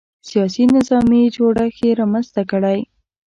سیاسي نظامي جوړښت یې رامنځته کړی.